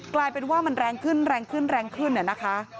กลายเป็นว่ามันแรงขึ้นแรงขึ้นค่ะ